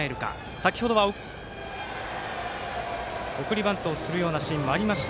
先ほどは送りバントするようなシーンがありました。